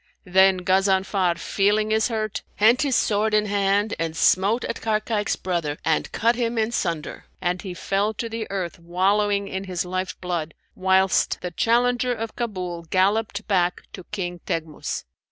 Then Ghazanfar, feeling his hurt, hent his sword in hand and smote at Barkayk's brother and cut him in sunder, and he fell to the earth, wallowing in his life blood, whilst the challenger of Kabul galloped back to King Teghmus.